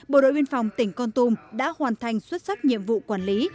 bộ đội biên phòng tỉnh con tum đã hoàn thành xuất sắc nhiệm vụ quản lý